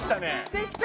できた。